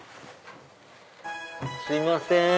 すいません。